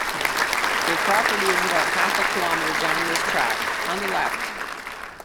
Their property is about half a kilometre down this track, on the left.